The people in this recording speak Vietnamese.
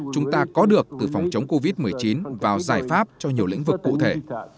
chúng ta có được từ phòng chống covid một mươi chín vào giải pháp cho nhiều lĩnh vực cụ thể